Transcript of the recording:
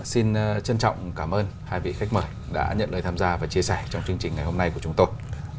xin trân trọng cảm ơn hai vị khách mời đã nhận lời tham gia và chia sẻ trong chương trình ngày hôm nay của chúng tôi